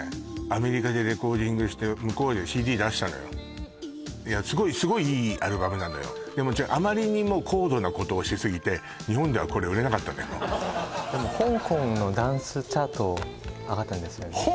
アメリカでレコーディングして向こうでＣＤ出したのよいやすごいすごいいいアルバムなのよでもあまりにも高度なことをし過ぎて日本ではこれ売れなかったのよでも香港のダンスチャート？